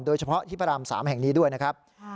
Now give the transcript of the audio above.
โดยเฉพาะที่พระราม๓แห่งนี้ด้วยนะครับ